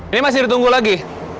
ini masih ditunggu lagi